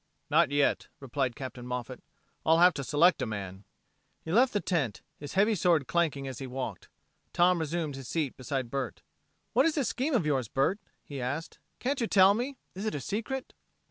"Not yet," replied Captain Moffat. "I'll have to select a man." He left the tent, his heavy sword clanking as he walked. Tom resumed his seat beside Bert. "What is this scheme of yours, Bert?" he asked. "Can't you tell me? Is it a secret?"